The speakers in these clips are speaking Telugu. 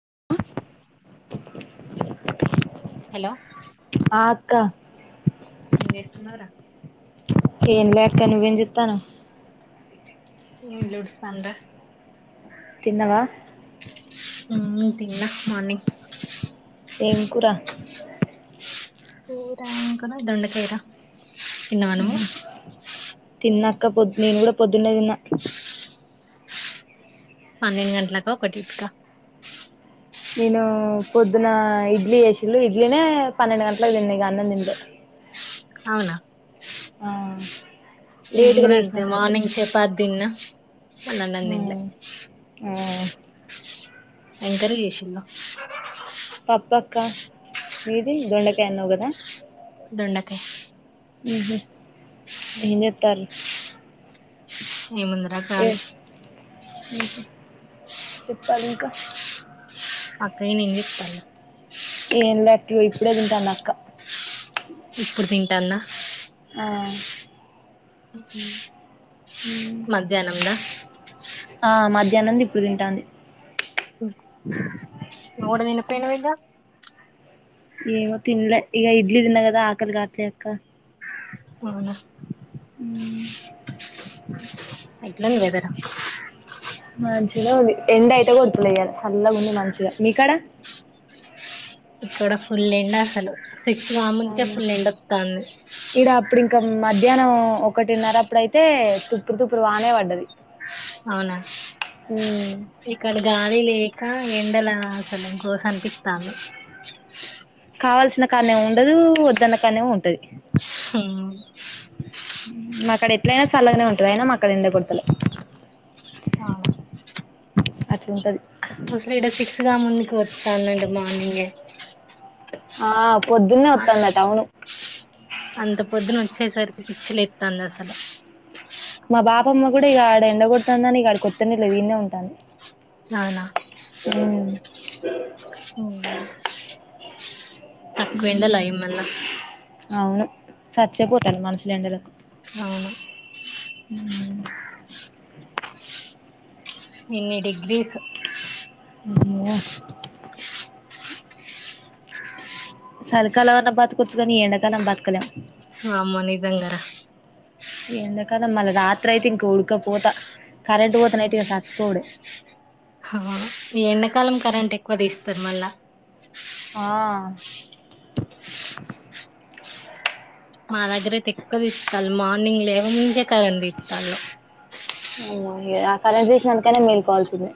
ఆ హలో ఆ అక్క ఏం చేస్తున్నావురా ఎం లే అక్క నువ్వేం జెత్తనావ్ ఇల్లుఉడుస్తన్నర తిన్నవా తిన్నా మార్నింగ్ ఏంకురా కూర ఎం కూర దొండకాయి రా అ తిన్నాక్క పొద్దు నేను కూడా పొద్దున్నే తిన్నా పన్నెండు గంటల్లకో ఒకటిటిక నేను పొద్దున ఇడ్లీ చేసిళ్ళు ఇడ్లీనే పన్నెండు గంటలకు తిన్న ఇగ అన్నం తినలే అవునా ఆ లేటుగా నేనుకూడ లేసిన అంతే అన్నట్టు మార్నింగ్ చపాతి తిన్న కాని అన్నం తినలే ఉమ్ ఆ ఎం కర్రీ చేసిళ్ళు పప్పు బ అక్క మీది దొండకాయ అన్నావ్ కదా దొండకాయి ఉహు ఎమ్జెత్తర్రు ఏముందిరా కాలి చెప్పలి ఇంక అక్కగిన ఎంజెత్తలు ఏం లే అక్క ఇగో ఇప్పుడే తింటంది అక్క ఇప్పుడు తింటాందా ఆ అక ఆ మ ధ్యానంది ఇప్పుడు తింటాంది నువ్వుకూడా తిన పోయినవ్ ఇగ ఏమో తిన్లే ఈక ఇడ్లీ తిన్నగద ఆకలి కాట్లే అక్క అవునా ఉమ్ ఎట్లుంది వెదర్ మంచిగానే ఉంది ఎండ ఐతే కొడతలె ఇయ్యాల సల్లగుంది మంచిగ మీకాడా ఇక్కడా ఫుల్ ఎండా అసలు సిక్స్ కాముందే అవునా ఫుల్ ఎండత్తాంది. ధ్యాహ్నం ఒకటిన్నర అప్పుడైతే తుప్పురు తుప్పురు వానే పడ్డది. అవునా ఉమ్ ఇక్కడ గాలి లే కా ఎండలా అసలు గోస అనిపిత్తంది. కావల్సిన కాన్నేమో ఉండదు వద్దన్న కన్నేమో ఉంటది. హ్ మా కాడ ఎట్లయినా సల్లగనే ఉంటది అయినా మా కాడ ఎండ కొడతలే అవునా అట్లుంటది. అసలు ఇడ సిక్స్ గా ముందుకు వస్తంది మార్నింగే ఆ పొద్దున్నే వత్తందట అవును అంత పొద్దున వచ్చేసరి పిచ్చి లెత్తాందసలే మా బాపమ్మ గుడా ఇగ ఆడ ఎండగొడతందని ఇగ ఆడికి ఒత్తనే లేదు ఈడనే ఉంటంది. అవునా బ ఓ తక్కువెండల ఏమన్న అవును సచ్చెపోతారు మనుషులు ఎండలకు అవును. అమ్మో ఇన్ని డిగ్రీస్ మ్మో సలికాలం అన్న బతకచ్చు గని ఈ ఎండాకాలం బతుకలేం వామ్మో నిజంగరా కదా మళ్ళ రాత్రయితే ఇంక ఉడకపోతా ఈ ఎండాకాలం కరెంట్ ఎక్కువ తీస్తరు మళ్ళ ఇ ఆ మా దగ్గర అయితే ఎక్కువ దిస్తాలు మార్నింగ్ లేవక ముందే కరెంట్ తీస్తాన్లు ఆ కరెంట్ తీసినందుకు అయిన మేలుకోవాల్సిందే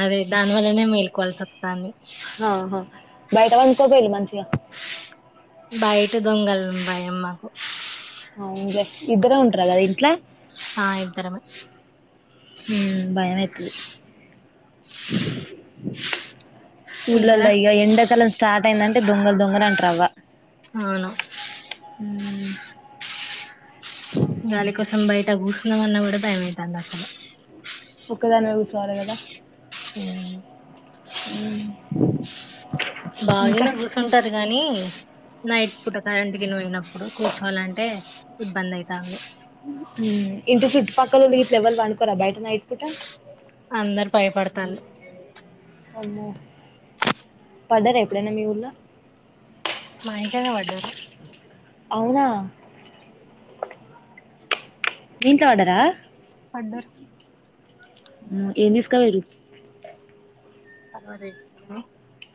అదే దాని వల్లనే మేల్కోవాల్స్ త్తాంది. ఆహా బయట [inaudible] మంచిగా బయట దొంగలం భయం మాకు అవున్లే ఇద్దరే ఉంటార కదా ఇంట్లో ఆ ఇద్దరమే హ్మ్ బయమేత్తది. ఇంకరా ఊళ్ళల్లో ఇగ ఎండాకాలం స్టార్ట్ అయిందంటే దొంగల్ దొంగల్ అంటరవ్వ అవును ఉమ్ గాలి కోసం బయట కూసున్నామన్నా కూడా భయమైతాంది అసలే ఒక్కదానివే గుసవాలె కదా మ్మ్ ఉమ్ ఇంకా బాగీనా గుసొంటరు గాని నైట్ పూట కరెంట్ గిన పోయినప్పుడు కూర్చోవాలంటే ఇబ్బంది అయితాంది ఇంటి చుట్ పక్కలగిన ఎవల్ పండుకోరా బయట నైట్ పూట అందరు భయపడతాలు అమ్మో పడ్డారా ఎప్పుడైనా మీ ఊళ్లో మా ఇంటనే పడ్డారు అవునా మీ ఇంట్ల పడ్డారా పడ్డర్ ఆ ఏం తీసుకపోయిర్రు [unintelligible]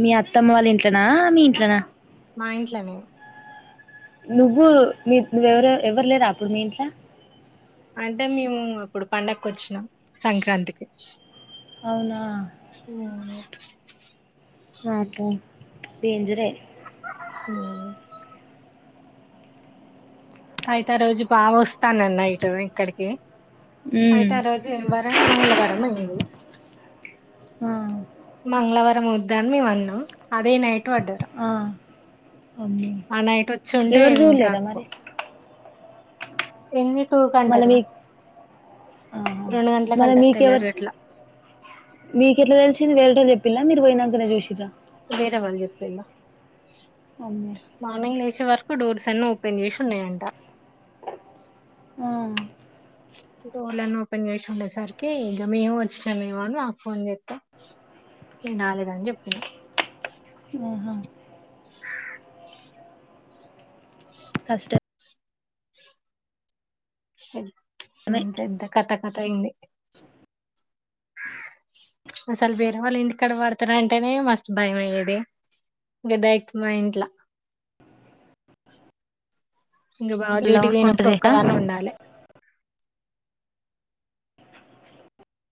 మీ అత్తమ్మ వాళ్ళ ఇంట్లోనా మీ ఇంట్లోనా మా ఇంట్లనే నువ్వు మీ మీరు ఎవ్వరు లేరా అప్పుడు మీ ఇంట్ల అంటే మేము అప్పుడు పండగ వచ్చినాం సంక్రాంతికి అవునా ఉహు ఆప్ప డేంజర్ ఏ ఉమ్ అయితే ఆ రోజు బాగా వస్తానన్న ఇటు ఇక్కడికి హ్మ్. అయితే ఆ రోజు ఏంవారం మంగళవారం అయింది ఆ! మంగళవారం ఆ వద్దని మేము అన్నం అదే నైట్ పడారు అమో ఉంటే ఎవరు ఏం జూలేదా కాకపో మరి ఎన్ని టూ మన కంటారా మీ ఆ రెండు గంటలకు మన అంట తెల్లారి మీకెవరి గట్ల మీకు ఎట్లా తెలిసిది వేరేటోళ్లు మీరు పోయినాక చూసి జ వేరే వాళ్ళు జెప్పిల్ల అమ్మో! మార్నింగ్ లేచేవార్ డోర్స్ అన్న ఓపెన్ చేసి ఉన్నాయంట ఆ డోర్లను ఓపెన్ చేసి ఉండేసరికి ఇంక మేము వచ్చినామేమోని నాకు ఫోన్ చెప్తే నేను రాలేదా అని చెప్పిన ఆహ కష్టం స మ్మ్ ఎంత కథ కథ అయింది అసలు వేరే వాళ్ళ ఇంటి కాడ పడతార అంటేనే మస్తు భయం అయ్యేది ఇంక డైట్లు మా ఇంట్లో ఇంక బావ ఇలా డ్యూటీకి వంట పోయినప్పుడు చేయనా ఒక్కదాన్ని ఉండాలి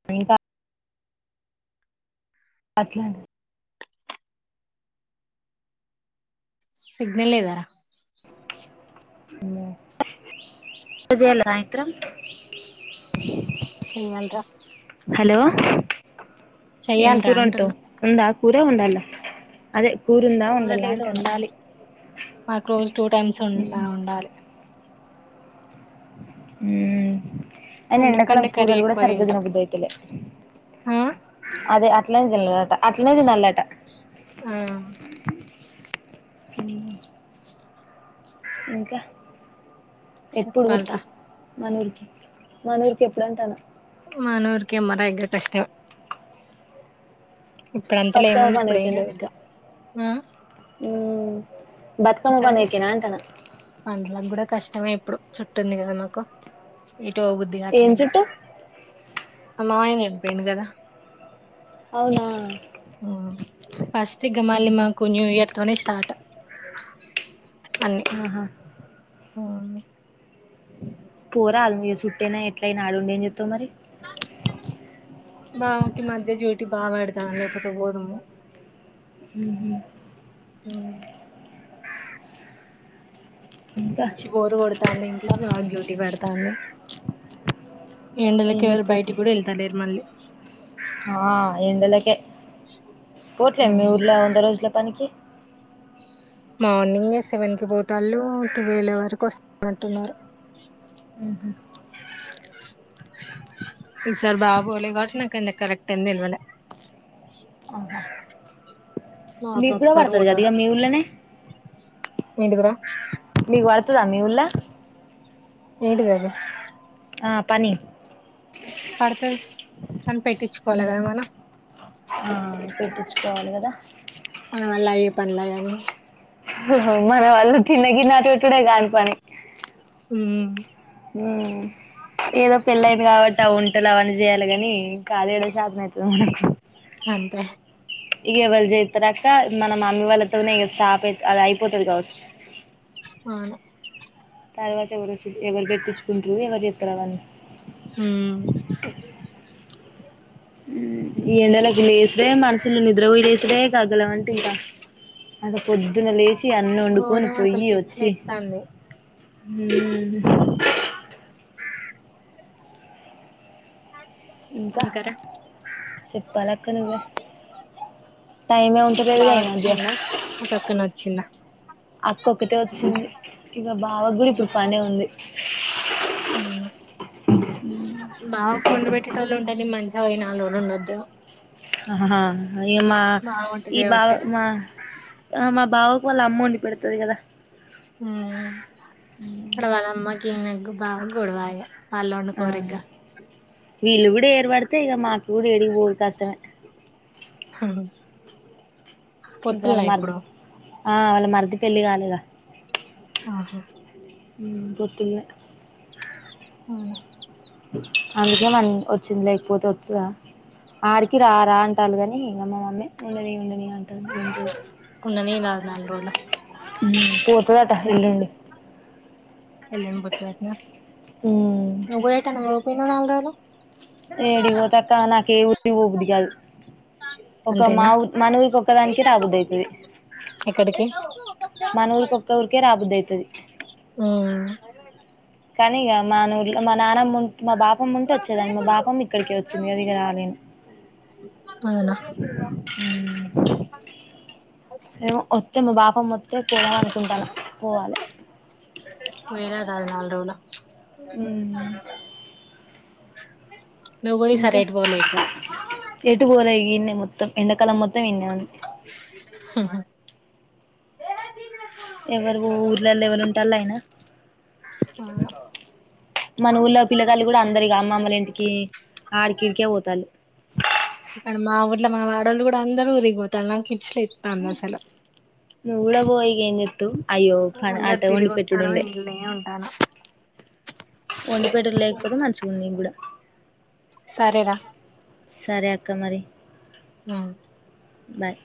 మీ బా అట్లన సిగ్నల్ లేదా [unintelligible] ఆ ఇంట్లో చేయాలి రా హలో ఏం చెయ్యాలరా కూర అంటున్నా వంటావ్ ఉందా కూ ఏం వండాల అదే కూరుందా, వండాల కూరలు ఏదో అంటున్నా ఉండాలి మాకు రోజ్ టూ టైమ్స్ వండుతా ఉండాలి మ్మ్ అయినా అన్నం ఎండకాలం కంటే కర్రీ కూరలు కూడా ఎక్కువ సరిగ్గా తింటాం తినబుద్ధి అయితలే ఆ అదే అట్లా అట్లనే తినాల్నట ఆ హ్మ్మ్ ఇంకా ఎప్పుడు ఊరికి చెప్పాలరా మన ఊరికి మన ఊరికి ఎప్పుడు వొత్తన్నావ్ మానూర్కి అమ్మ [unintelligible] కష్టం ఇప్పుడు అంతలో బతుకమ్మ ఏముంది ఇప్పుడు ఏం లేదు ఇగా ఆ మ్మ్ సరే పండ్లకూడా కష్టమే ఇప్పుడు చుట్టుంది కదా మాకు ఏటోవుద్ది గావట్ల ఏం ఇంగ చుట్టు మా మావయ్య చనిపోయిండు కదా అవునా ఫస్ట్ ఇగా మళ్ళి మాకు న్యూ ఇయర్ తోనే స్టార్ట్ అన్నీ ఆహా అవునా పోరాదు మీకు చుట్టైనా ఎట్లయిన ఆడుండి ఏం చేత్తావ్ మరి బావకి మధ్య డ్యూటి బాగా పడతాంది లేపోతే పోదు ము హు ఉమ్మ్ ఇంకా పిచ్చి బోరు కొడుతాంది ఇంట్లో బావకి డ్యూటీ పడతాంది ఎండలకి ఏం ఎవరు చెత్తవ్ తీ బయటికి కూడా వెళ్తా లేరు మళ్ళీ ఆ ఎండలకే పోట్లేం మీ ఊర్లో వంద రోజుల పనికి మార్నింగ్ ఏ సెవెన్ కి పోతాళ్ళు టూవెల్ వరకు వస్తా అంటున్నారు ఉహు ఈసారి బావ పోలె కాబట్టి నాకు కరెక్ట్ టైం తెలువలే మీరు కూడా కూడా పడుతది కదా ఇక మీ ఊర్లోనే ఏంటీది రా మీకు పడుతదా మీవుల్లా ఏంటిది అది ఆ పని పడుతది అని పెట్టించుకోవాలి కదా ఉమ్ మనం ఆ పెట్టించుకోవాలి కదా పనుల అనీ మన వాళ్ళు తిన్న గిన్నె అటు పెట్టుడే కాని పని ఉమ్ హ్ ఏదో పెళ్ళ అయింది కాబట్టి ఆ వంటలు అవన్నీ చేయాలి కాని ఇంకా అదీ ఎదో చాతనైతది మనకు అంతే ఇగా ఏవలు చెత్తరాక మన మమ్మీ వాళ్ళతోనే ఇక స్టాప్ అయి అది అయిపోతుది కావచ్చు అవును తర్వాత ఎవరు వచ్చి ఎవరు పెట్టించుకుంట్ర ఎవరు చెతారు అవన్ని ఉమ్ ఈ ఎండలకు లేసుడే మనుషులు నిద్ర పోయీ లేసు డే కాగల అంటే ఇంకా అదే పొద్దున లేచి అన్ని వండుకొని ఘోరం అసలు పొయ్యి పిచ్చి వచ్చి లేత్తాంది ఇంకా అందుకరా చెప్పాలక్క నువ్వే టైమే ఉంటలేదుగా బావ ఈ మధ్య వచ్చిండ పక్కన వచ్చింనా అక్క ఒక్కతే వచ్చింది ఇక బావ కూడా ఇప్పుడు పనే ఉంది స్ అవునా బావకు వండి పెట్టేటోళ్లు ఉంటే నేను మంచిగా పోయి నాలుగు రోజులు ఉండి వద్దును ఆహా హా ఇ మా బాగుంటది ఈ బవ కాబట్టే మా మా బావా వాళ్ల అమ్మ వండి పెడుతాది కదా ఉమ్ పడ్వలమ్మ ఇనెగ్ బాగ గొడవయ అల్లోను ఆ కోర్రిగా వీళ్ళు కూడా ఏర్పడితే ఇక మాకు ఎడిగిపోవు కష్టమే హ ఇంకా పొత్తుల్న వాళ్ళ మరిది ఇప్పుడు ఆ వాళ్ళ మరిది పెళ్లి కాలేగ ఆహ పొత్తున్న అ అందుకే మనం వచ్చింది లేకపోతే వచ్చద ఆడికి రా రా అంటాలు కని ఇగ మ మమ్మీ ఉండని ఉండని అంటుంది రెండు రోజులు నాల్ రోళ్ళ ఉమ్ పొత్డట్ ఎల్లుండి ఎల్లుండి పోతాడత్న నువ్ గుడ ఎటైనా పోత్ ఎన్ని నల్రోలు ఏడి పోతక్క నాక ఎ ఊరికి పో బుద్ధి కాదు ఒక మా అంతేనా ఊ మన ఊరిక ఒక్కదానికి రాబోదువుతుది ఎక్కడికి మన ఊరిక ఒక్క ఊరికే రాబుద్ అయితది ఉమ్ కానీ ఇగ మాన ఊర్ మా నాన్నమ్ మా బాపమ్ ఉంటే వచ్చేదాన్ని మా బాపమ్ ఇక్కడికే వచ్చింది ఇగ రాలేను అవునా ఉమ్ ఎమో ఒత్తె మా బాపమ్ ఒత్తె పోవాల అనుకుంటన పోవాలే చాల్ నాల్గ్ రోల [unintelligible] [unintelligible] ఇంకా ఎటు పోలే ఇక ఎటు పోలే గిన్నే మొత్తం ఎండకాలం మొత్ [unintelligible] ఎవరు ఊర్లలో ఎవరు ఉంటళ అయినా మన ఊర్లో పిల్లగాలు కూడా అందరికి అమ్మ అమ్మలు ఇంటికి ఆడికిడికే పోతంది ఇట్లా మా వాడళ్ళ కూడా అందరూ ఉరిగిపోతాళ్ళ పిచ్చి లెత్తంది అస్సలు ఉల్లాగ్ పోయి ఇగ ఎం చెత్తవ్ అందరు తిరిగి ఒత్తర ఇంట్లనే ఉంటాను వండిపెట్ట లేకపోతే మంచిగుంది నీ కూడా సరేరా ఇంక మరి ఆ బాయ్